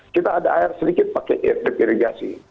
kita ada air sedikit pakai drip irigasi